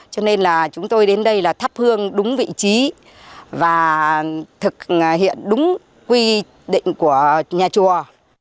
cho nên là chúng tôi đến đây là thắp hương đúng vị trí và thực hiện đúng quy định của nhà chùa